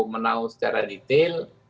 menahu secara detail